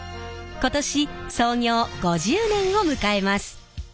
今年創業５０年を迎えます。